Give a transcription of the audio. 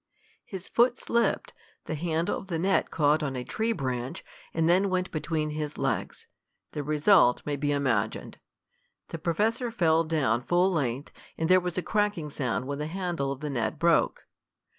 His foot slipped, the handle of the net caught on a tree branch, and then went between his legs. The result may be imagined. The professor fell down full length, and there was a cracking sound when the handle of the net broke.